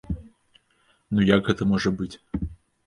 Ну як гэта можа быць?